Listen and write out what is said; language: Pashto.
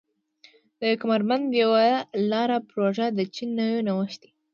د یو کمربند یوه لار پروژه د چین نوی نوښت دی.